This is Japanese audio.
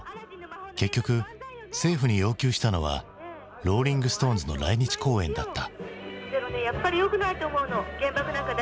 結局政府に要求したのはローリング・ストーンズの来日公演だった。